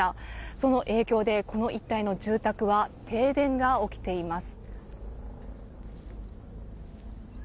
その影響で、この一帯の住宅は停電が起きています。